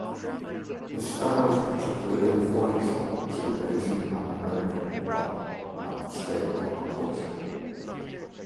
His style is particularly influential to Asian and American hip-hop and skateboarding culture.